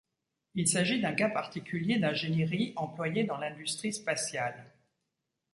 Il s'agit d'un cas particulier d'ingénierie employé dans l'industrie spatiale.